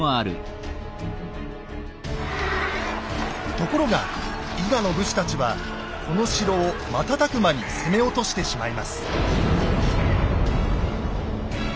ところが伊賀の武士たちはこの城を瞬く間に攻め落としてしまいます。